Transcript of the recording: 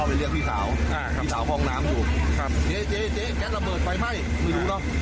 เสียหายเท่าไรพี่